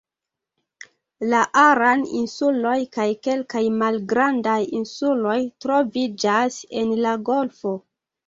La Aran-insuloj kaj kelkaj malgrandaj insuloj troviĝas en la golfo.